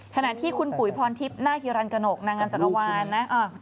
ขณะที่คุณปุ๋ยพรทิพย์นาคฮิรันกระหนกนางงามจักรวาลนะ